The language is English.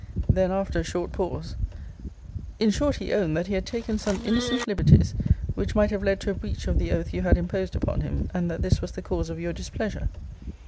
Then, after a short pause In short, he owned, that he had taken some innocent liberties, which might have led to a breach of the oath you had imposed upon him; and that this was the cause of your displeasure.